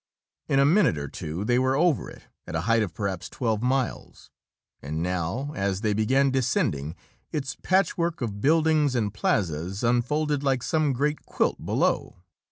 In a minute or two they were over it, at a height of perhaps twelve miles and now, as they began descending, its patchwork of buildings and plazas unfolded like some great quilt below.